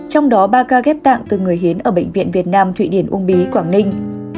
trong đó ba ca ghép tạng từ người hiến ở bệnh viện việt nam thụy điển uông bí quảng ninh